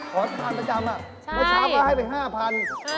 เป็นเช้าให้ไป๕๐๐๐